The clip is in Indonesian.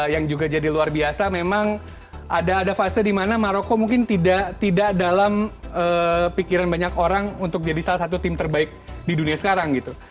yang juga jadi luar biasa memang ada fase di mana maroko mungkin tidak dalam pikiran banyak orang untuk jadi salah satu tim terbaik di dunia sekarang gitu